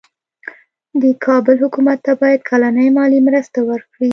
د کابل حکومت ته باید کلنۍ مالي مرسته ورکړي.